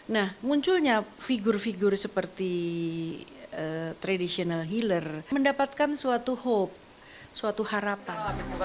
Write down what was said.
nah munculnya figur figur seperti traditional healer mendapatkan suatu hope suatu harapan